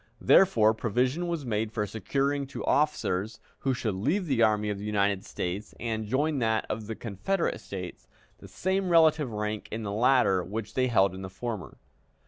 Therefore, provision was made for securing to officers, who should leave the Army of the United States and join that of the Confederate States, the same relative rank in the latter which they held in the former.